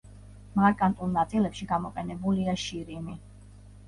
მარკანტულ ნაწილებში გამოყენებულია შირიმი.